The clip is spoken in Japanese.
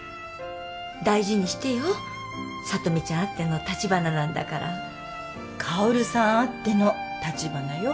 大事にしてよ聡美ちゃんあってのたちばななんだから香さんあってのたちばなよ